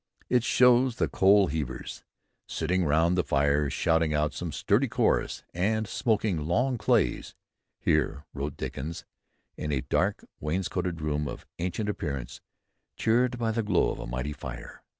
It shows the coal heavers sitting round the fire shouting out "some sturdy chorus," and smoking long clays. "Here," wrote Dickens, "in a dark wainscoted room of ancient appearance, cheered by the glow of a mighty fire